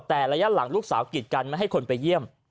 แต่ระยะหลังลูกสาวกิดกันไม่ให้คนไปเยี่ยม